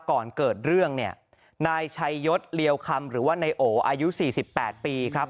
ก่อนเกิดเรื่องเนี่ยนายชัยยศเลียวคำหรือว่านายโออายุ๔๘ปีครับ